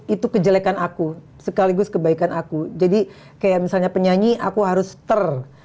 itu kejelekan aku sekaligus kebaikan aku jadi kayak misalnya penyanyi aku harus ter